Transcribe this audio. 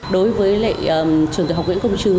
đối với lệ trường tiểu học nguyễn công chứ